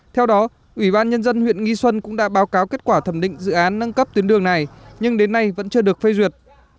theo đó ủy ban nhân dân huyện nghi xuân cũng đã báo cáo kết quả thẩm định dự án nâng cấp tuyến đường này nhưng đến nay vẫn chưa được phê duyệt